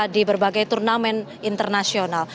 di berbagai turnamen internasional